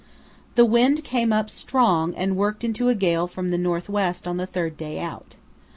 The wind came up strong and worked into a gale from the north west on the third day out.